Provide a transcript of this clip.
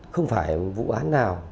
không phải vụ án nào